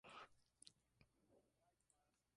Fue enterrada en el Cementerio Hollywood Forever.